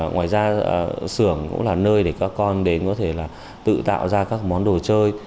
ngoài ra xưởng cũng là nơi để các con đến có thể là tự tạo ra các món đồ chơi